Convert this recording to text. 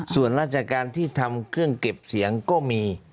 ส่วนราชการที่ทำเครื่องเก็บเสียงก็มี